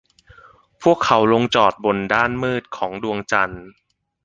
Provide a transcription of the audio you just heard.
พวกเขาลงจอดลงบนด้านมืดของดวงจันทร์